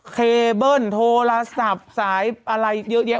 เคเบิ้ลโทรศัพท์สายอะไรเยอะแยะ